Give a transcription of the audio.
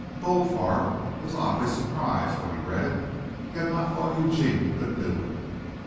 Goldfarb was oddly surprised when he read it. He had not thought Eugene could do it.